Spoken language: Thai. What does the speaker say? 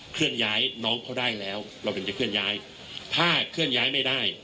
เคลื่อนย้ายน้องเขาได้แล้วเราถึงจะเคลื่อนย้ายถ้าเคลื่อนย้ายไม่ได้